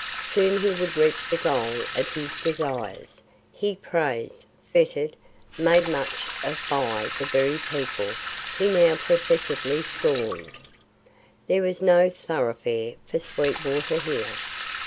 Soon he would reach the goal of his desires, be praised, feted, made much of by the very people he now professedly scorned. There was no thoroughfare for Sweetwater here.